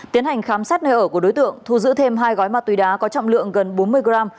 tiến hành khám xét nơi ở của đối tượng thu giữ thêm hai gói ma túy đá có trọng lượng gần bốn mươi g